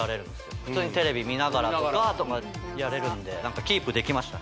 普通にテレビ見ながらとかやれるんでキープできましたね